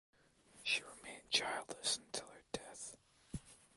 She remained childless until her death.